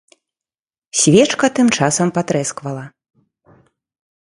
Свечка тым часам патрэсквала.